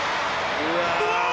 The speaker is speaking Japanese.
「うわ！」